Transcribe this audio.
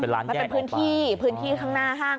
เป็นพื้นที่ข้างหน้าห้าง